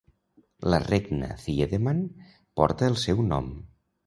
La regna Thiedemann porta el seu nom.